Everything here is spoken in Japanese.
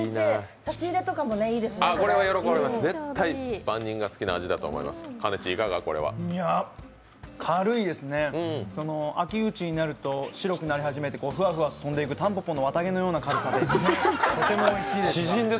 差し入れとかもいいですね、これは軽いですね、秋口になると白くなり始めてふわふわ飛んでいくたんぽぽの綿毛のような感じでとってもおいしいです。